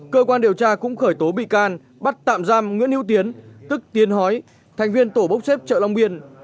cơ quan điều tra cũng khởi tố bị can bắt tạm giam nguyễn hữu tiến tức tiến hói thành viên tổ bốc xếp chợ long biên